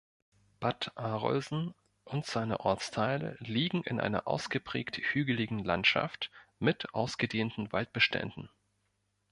Bad Arolsen und seine Ortsteile liegen in einer ausgeprägt hügeligen Landschaft mit ausgedehnten Waldbeständen.